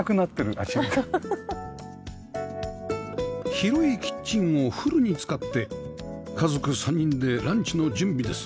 広いキッチンをフルに使って家族３人でランチの準備です